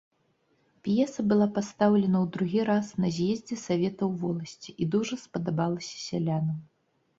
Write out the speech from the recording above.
П'еса была пастаўлена ў другі раз на з'ездзе саветаў воласці і дужа спадабалася сялянам.